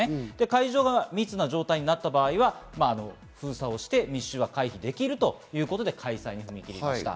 会場が密な状態になった場合は、封鎖をして密集は回避できるということで開催に踏み切りました。